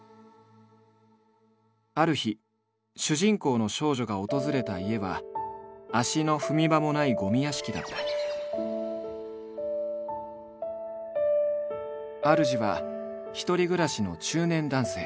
ある日主人公の少女が訪れた家は足の踏み場もない主は１人暮らしの中年男性。